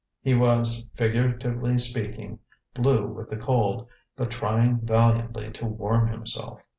He was, figuratively speaking, blue with the cold, but trying valiantly to warm himself.